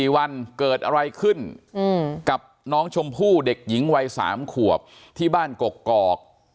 ๔วันเกิดอะไรขึ้นกับน้องชมพู่เด็กหญิงวัย๓ขวบที่บ้านกกอก